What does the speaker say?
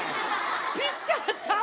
ピッチャーちゃうんかい。